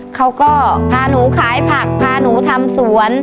เขาก็พาหนูขายผักพาหนูทำสวน